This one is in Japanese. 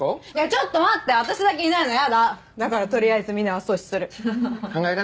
ちょっと待って私だけいないの嫌だだからとりあえずみねは阻止する考え方